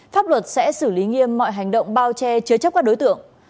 pháp luật sẽ xử lý nghiêm mọi hành động bao che chứa chấp các đối tượng